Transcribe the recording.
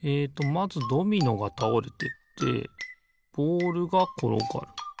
まずドミノがたおれてってボールがころがる。